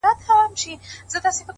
د ژوند لار په قدمونو جوړیږي,